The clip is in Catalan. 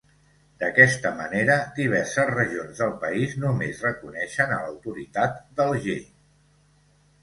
D'aquesta manera, diverses regions del país només reconeixen a l'autoritat d'Alger.